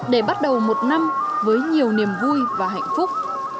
để bắt đầu một năm với nhiều niềm vui và hạnh phúc